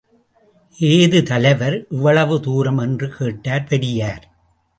ஏது தலைவர் இவ்வளவு தூரம் என்று கேட்டார் பெரியார்.